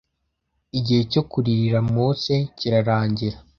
Igihe cyo kuririra mose kirarangira